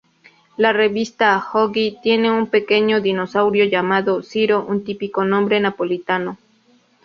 La revista "Oggi" tiene un pequeño dinosaurio llamado "Ciro", un típico nombre napolitano.